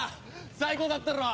最高だったろ？